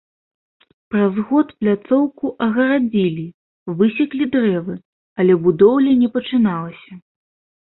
Праз год пляцоўку агарадзілі, высеклі дрэвы, але будоўля не пачыналася.